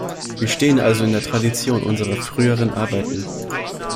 Wir stehen also in der Tradition unserer früheren Arbeiten.